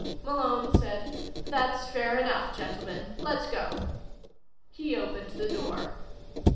Malone said: "That's fair enough, gentlemen. Let's go." He opened the door.